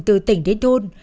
từ tỉnh đến thôn